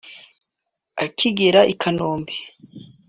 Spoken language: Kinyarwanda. Akigera i Kanombe